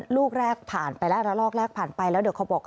ลูกแรกผ่านไปแล้วระลอกแรกผ่านไปแล้วเดี๋ยวเขาบอก